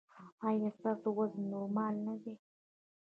ایا ستاسو وزن نورمال نه دی؟